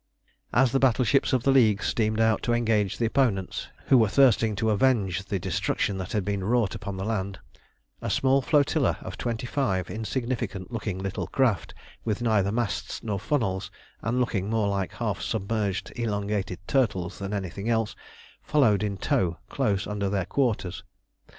As the battleships of the League steamed out to engage the opponents, who were thirsting to avenge the destruction that had been wrought upon the land, a small flotilla of twenty five insignificant looking little craft, with neither masts nor funnels, and looking more like half submerged elongated turtles than anything else, followed in tow close under their quarters.